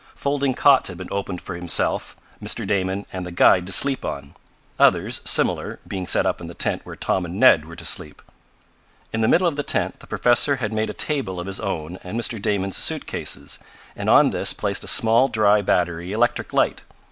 Folding cots had been opened for himself, Mr. Damon and the guide to sleep on, others, similar, being set up in the tent where Tom and Ned were to sleep. In the middle of the tent the professor had made a table of his own and Mr. Damon's suit cases, and on this placed a small dry battery electric light.